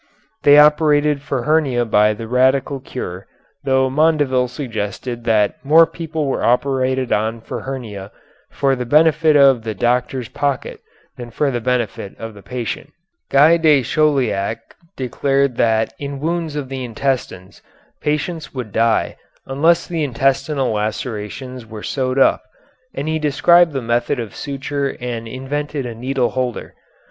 They operated for hernia by the radical cure, though Mondeville suggested that more people were operated on for hernia for the benefit of the doctor's pocket than for the benefit of the patient. Guy de Chauliac declared that in wounds of the intestines patients would die unless the intestinal lacerations were sewed up, and he described the method of suture and invented a needle holder.